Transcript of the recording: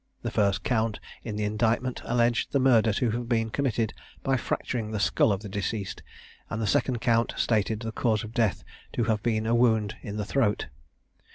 The first count in the indictment alleged the murder to have been committed by fracturing the skull of the deceased, and the second count stated the cause of death to have been a wound in the throat.